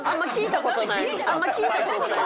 あんま聞いた事ない。